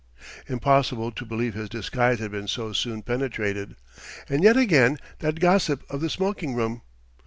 Impossible to believe his disguise had been so soon penetrated.... And yet, again, that gossip of the smoking room....